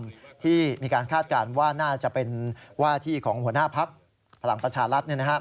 พวกตัวควาดขยมมีการคาดการณ์ว่าน่าจะเป็นหวาดที่ของหัวหน้าภักดิ์ฝรั่งประชารลัฐ